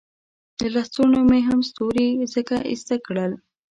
له لستوڼو مې هم ستوري ځکه ایسته کړل.